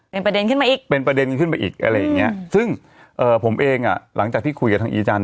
เป็นประเด็นขึ้นมาอีกเป็นประเด็นขึ้นไปอีกอะไรอย่างเงี้ยซึ่งเอ่อผมเองอ่ะหลังจากที่คุยกับทางอีจันท